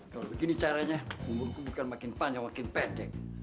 kalau begini caranya umurku bukan makin panjang makin pedek